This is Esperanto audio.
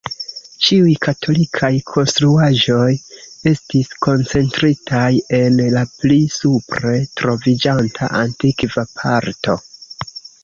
Ĉiuj katolikaj konstruaĵoj estis koncentritaj en la pli supre troviĝanta antikva parto.